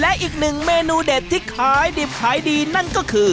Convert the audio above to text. และอีกหนึ่งเมนูเด็ดที่ขายดิบขายดีนั่นก็คือ